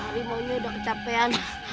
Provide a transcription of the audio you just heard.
harimau ini udah ketampean